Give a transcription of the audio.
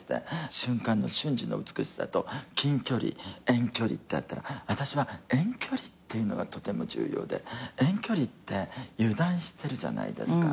瞬間の瞬時の美しさと近距離遠距離ってあったら私は遠距離っていうのはとても重要で遠距離って油断してるじゃないですか。